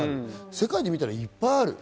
世界で見たらいっぱいある。